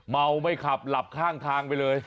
เมาไม่ขับหลับข้างทางไปเลย